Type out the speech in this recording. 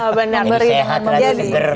ini sehat seger